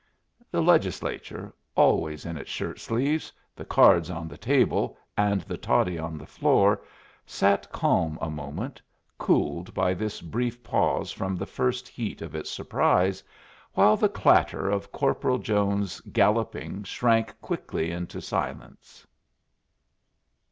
The Legislature, always in its shirt sleeves, the cards on the table, and the toddy on the floor, sat calm a moment, cooled by this brief pause from the first heat of its surprise, while the clatter of Corporal Jones's galloping shrank quickly into silence.